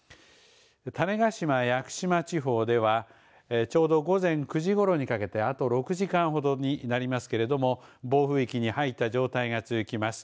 種子島・屋久島地方ではちょうど午前９時ごろにかけてあと６時間ほどになりますけれども暴風域に入った状態が続きます。